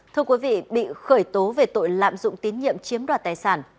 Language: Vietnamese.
thưa quý vị bị khởi tố về tội lạm dụng tín nhiệm chiếm đoạt tài sản